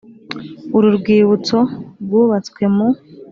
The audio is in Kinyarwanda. Uru rwibutso rwubatswe mu